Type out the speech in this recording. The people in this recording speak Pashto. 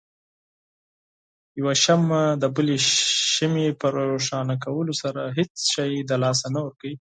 يوه شمعه دبلې شمعې په روښانه کولو سره هيڅ شی د لاسه نه ورکوي.